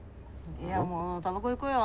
いやもうタバコ行こうよ。